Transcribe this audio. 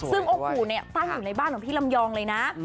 ซึ่งโอ้โหเนี่ยตั้งอยู่ในบ้านของพี่ลำยองเลยนะ